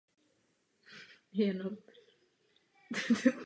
Stal se obětí perzekuce katolíků za španělské občanské války.